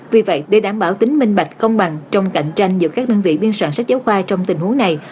vì vậy để đảm bảo tính minh bạch công bằng trong cạnh tranh giữa các đơn vị biên soạn sách giáo khoa trong tình huống này